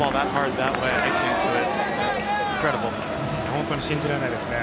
本当に信じられないですね。